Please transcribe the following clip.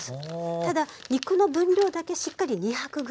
ただ肉の分量だけしっかり２００ｇ。